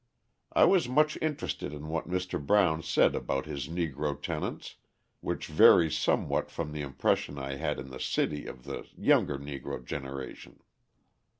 I was much interested in what Mr. Brown said about his Negro tenants, which varies somewhat from the impression I had in the city of the younger Negro generation.